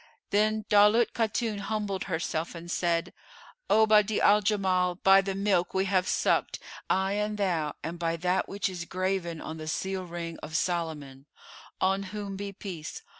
Then Daulat Khatun humbled herself and said, "O Badi'a al Jamal, by the milk we have sucked, I and thou, and by that which is graven on the seal ring of Solomon (on whom be peace!)